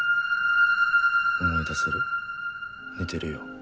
思い出せる似てるよ